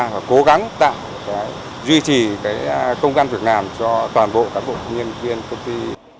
và cố gắng tạo duy trì công an việc làm cho toàn bộ cán bộ công nhân viên công ty